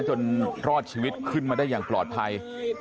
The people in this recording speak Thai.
จนรอดชีวิตขึ้นมาได้อย่างปลอดภัย